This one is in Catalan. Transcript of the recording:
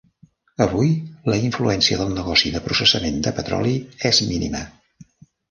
Avui, la influència del negoci de processament de petroli és mínima.